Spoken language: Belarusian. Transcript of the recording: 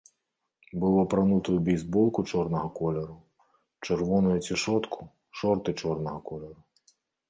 Быў апрануты ў бейсболку чорнага колеру, чырвоную цішотку, шорты чорнага колеру.